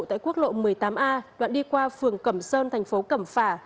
tại quốc lộ một mươi tám a đoạn đi qua phường cẩm sơn thành phố cẩm phả